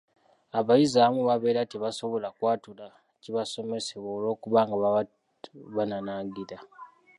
Abayizi abamu babeera tebasobola kwatula kibasomesebwa olw’okubanga baba bananaagira.